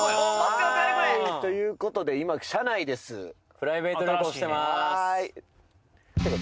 プライベート旅行してまーすてか